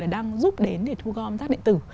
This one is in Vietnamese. đang giúp đến để thu gom rác điện tử